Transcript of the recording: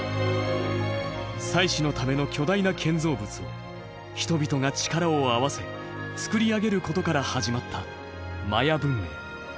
祭祀のための巨大な建造物を人々が力を合わせ造り上げることから始まったマヤ文明。